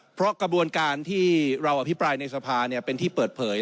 เพราะกระบวนการที่เราอภิปรายในสภาเป็นที่เปิดเผย